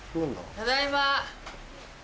ただいま！